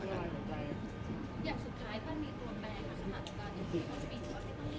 ยังไงผมก็ไม่ทิ้งนอก